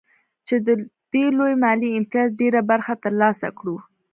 چې د دې لوی مالي امتياز ډېره برخه ترلاسه کړو